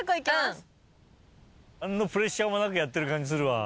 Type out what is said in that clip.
何のプレッシャーもなくやってる感じするわ。